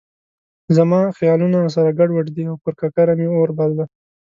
زما خیالونه سره ګډ وډ دي او پر ککره مې اور بل دی.